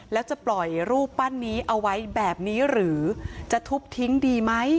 แล้วจะปล่อยรูปปั้นนี้เอาไว้แบบนี้หรือจะทุบทิ้งดีไหม